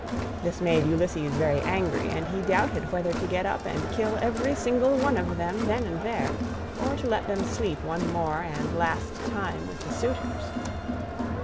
This made Ulysses very angry, and he doubted whether to get up and kill every single one of them then and there, or to let them sleep one more and last time with the suitors.